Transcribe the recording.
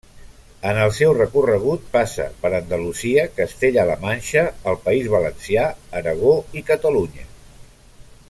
En el seu recorregut passa per Andalusia, Castella-la Manxa, el País Valencià, Aragó i Catalunya.